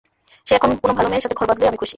সে এখন কোন ভাল মেয়ের সাথে ঘর বাঁধলেই আমি খুশি।